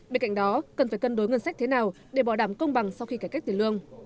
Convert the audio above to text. bên cạnh đó cần phải cân đối ngân sách thế nào để bỏ đảm công bằng sau khi cải cách tiền lương